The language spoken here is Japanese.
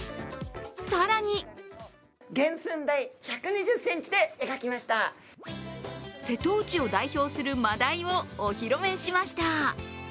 更に瀬戸内を代表するまだいをお披露目しました。